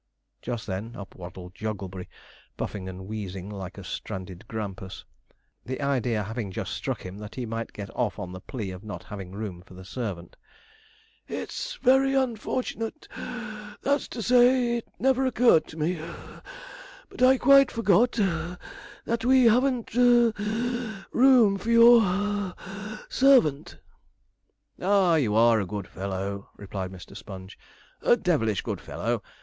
Just then up waddled Jogglebury, puffing and wheezing like a stranded grampus; the idea having just struck him that he might get off on the plea of not having room for the servant. 'It's very unfortunate (wheeze) that's to say, it never occurred to me (puff), but I quite forgot that we haven't (wheeze) room for your (puff) servant.' 'Ah, you are a good fellow,' replied Mr. Sponge 'a devilish good fellow.